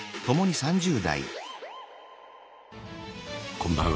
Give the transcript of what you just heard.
こんばんは。